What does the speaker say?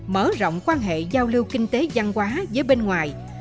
mở rộng quan hệ giao lưu kinh tế văn hóa giữa bên ngoài